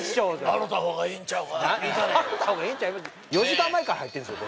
４時間前から入ってるんですよ